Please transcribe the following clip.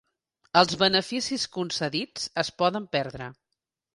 Els beneficis concedits es poden perdre.